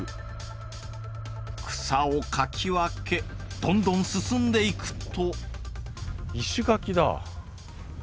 草をかき分けどんどん進んでいくと。